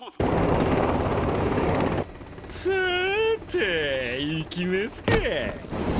さぁていきますか！